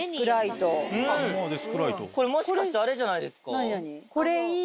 これ、もしかしてあれじゃなこれいい。